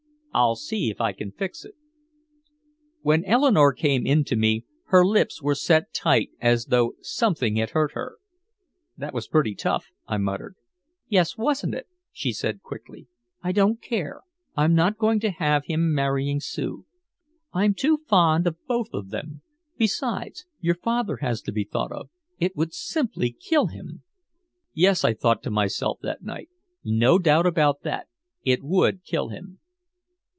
"I'll see if I can fix it." When Eleanore came in to me, her lips were set tight as though something had hurt her. "That was pretty tough," I muttered. "Yes, wasn't it," she said quickly. "I don't care, I'm not going to have him marrying Sue. I'm too fond of both of them. Besides, your father has to be thought of. It would simply kill him!" "Yes," I thought to myself that night. "No doubt about that, it would kill him."